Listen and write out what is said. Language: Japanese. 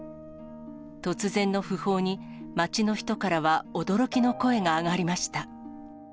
突然の訃報に、街の人からは驚きの声が上がりました。